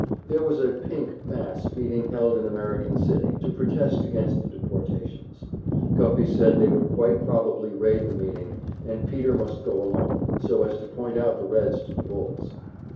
There was a "pink" mass meeting held in American City, to protest against the deportations. Guffey said they would quite probably raid the meeting, and Peter must go along, so as to point out the Reds to the bulls.